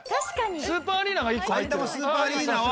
スーパーアリーナが１個入ってるわ。